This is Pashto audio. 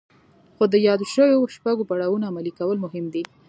خو د يادو شويو شپږو پړاوونو عملي کول مهم دي.